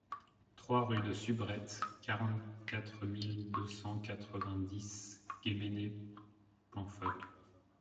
trois rue de Subrette, quarante-quatre mille deux cent quatre-vingt-dix Guémené-Penfao